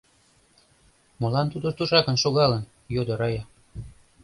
— Молан тудо тушакын шогалын? — йодо Рая.